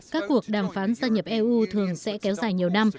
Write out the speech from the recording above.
các cuộc đàm phán gia nhập eu thường sẽ kéo dài nhiều năm